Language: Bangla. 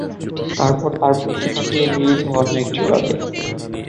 তারপর তার প্রতিটি গিয়ে মিলিত হয় অন্য এক হ্রদে।